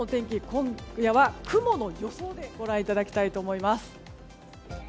今夜は雲の予想でご覧いただきたいと思います。